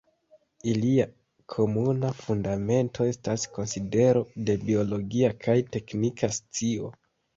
Ilia komuna fundamento estas konsidero de biologia kaj teknika scio.